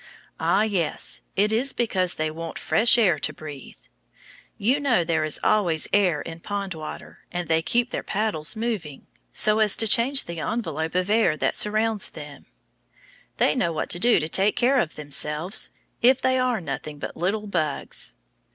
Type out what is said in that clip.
Ah, yes; it is because they want fresh air to breathe. You know there is always air in pond water, and they keep their paddles moving, so as to change the envelope of air that surrounds them. They know what to do to take care of themselves, if they are nothing but little bugs.